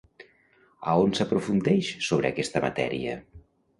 A on s'aprofundeix sobre aquesta matèria?